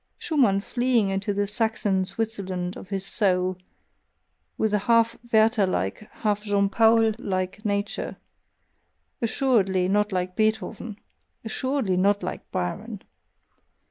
Schumann, fleeing into the "Saxon Switzerland" of his soul, with a half Werther like, half Jean Paul like nature (assuredly not like Beethoven! assuredly not like Byron!)